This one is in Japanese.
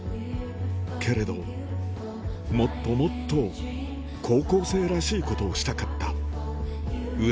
けれど、もっともっと高校生らしいことをしたかった。